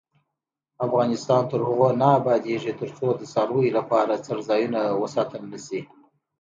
افغانستان تر هغو نه ابادیږي، ترڅو د څارویو لپاره څړځایونه وساتل نشي.